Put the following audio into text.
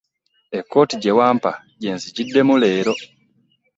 Ekkooti gye wampa gye nzigiddemu leero.